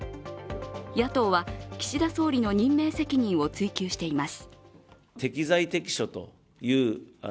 野党は岸田総理の任命責任を追及しています。